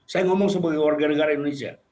saya ngomong sebagai warga negara indonesia